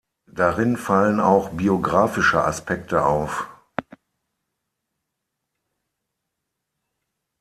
Darin fallen auch biografische Aspekte auf.